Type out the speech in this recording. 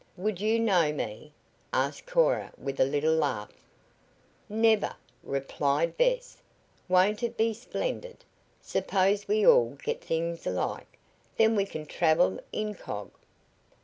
"Would you know me?" asked Cora with a little laugh. "Never!" replied Bess. "Won't it be splendid? Suppose we all get things alike? Then we can travel incog!"